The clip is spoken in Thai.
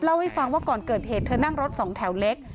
เล่าให้ฟังว่าก่อนเกิดเหตุเธอนั่งรถสองแถวเล็ก